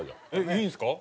いいんですか？